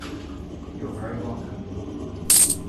You are very welcome.